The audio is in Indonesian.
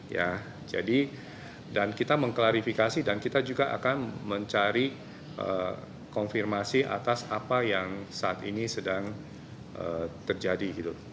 ya jadi dan kita mengklarifikasi dan kita juga akan mencari konfirmasi atas apa yang saat ini sedang terjadi